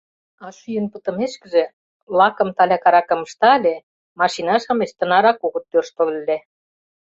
А шӱйын пытымешкыже, лакым талякаракым ышта ыле, машина-шамыч тынарак огыт тӧрштыл ыле...